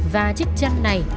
và chiếc chăn này